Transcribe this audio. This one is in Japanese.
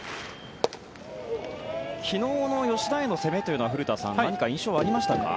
昨日の吉田への攻めというのは古田さん何か印象ありましたか。